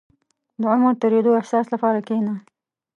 • د عمر د تېرېدو احساس لپاره کښېنه.